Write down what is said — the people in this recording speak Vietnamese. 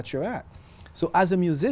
chỉ là tôi